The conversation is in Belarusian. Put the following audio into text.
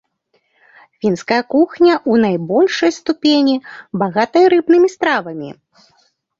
Фінская кухня ў найбольшай ступені багатая рыбнымі стравамі.